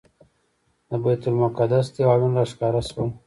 د بیت المقدس دیوالونه راښکاره شول.